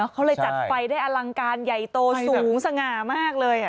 เขาเลยจัดไฟได้อลังการใหญ่โตสูงสง่ามากเลย